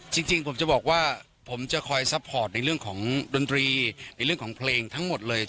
จริงผมจะบอกว่าผมจะคอยซัพพอร์ตในเรื่องของดนตรีในเรื่องของเพลงทั้งหมดเลย